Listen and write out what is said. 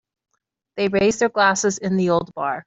They raised their glasses in the old bar.